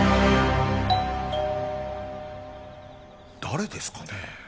誰ですかね？